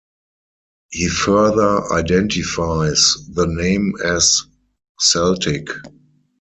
He further identifies the name as Celtic.